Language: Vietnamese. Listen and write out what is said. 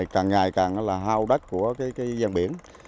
càng ngày càng là hao đất của cái gian biển